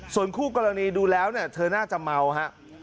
ส่วนคู่กรณีดูแล้วเธอน่าจะเมาครับ